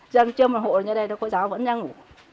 dân chưa mở hộ như đây cô giáo vẫn đang ngủ